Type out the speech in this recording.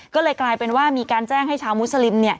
ก็เลยกลายเป็นว่ามีการแจ้งให้ชาวมุสลิม